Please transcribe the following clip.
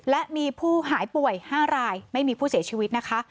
และมีผู้หายป่วย๕รายไม่มีผู้เสียชีวิตนะคะ